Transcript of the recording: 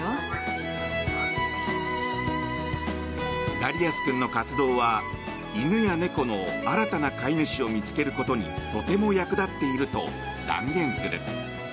ダリアス君の活動は犬や猫の新たな飼い主を見つけることにとても役立っていると断言する。